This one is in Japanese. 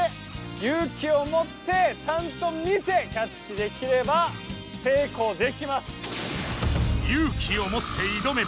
勇気をもってちゃんと見てキャッチできれば成功できます。